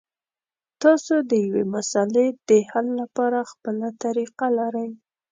تاسو د یوې مسلې د حل لپاره خپله طریقه لرئ.